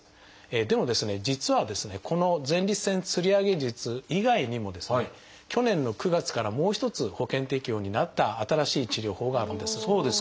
でもですね実はですねこの前立腺吊り上げ術以外にもですね去年の９月からもう一つ保険適用になった新しい治療法があるんです。